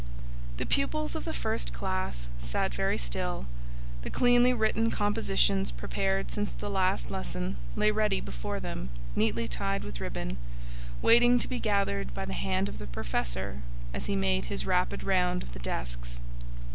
The pupils of the first classe sat very still; the cleanly written compositions prepared since the last lesson lay ready before them, neatly tied with ribbon, waiting to be gathered by the hand of the Professor as he made his rapid round of the desks.